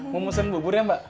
mau musen bubur ya mbak